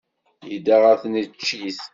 Yedda ɣer tneččit.